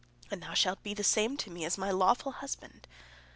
and thou shalt be to me the same as my lawful husband."